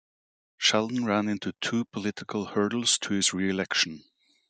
Sheldon ran into two political hurdles to his re-election.